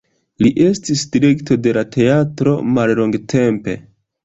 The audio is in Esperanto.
Li estis direkto de la teatro mallongtempe.